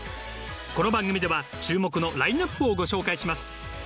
この番組では注目のラインナップをご紹介します。